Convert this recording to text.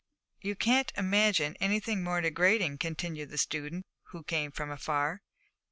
'You can't imagine anything more degrading,' continued the student, who came from afar.